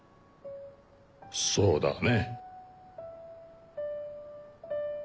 そうだね。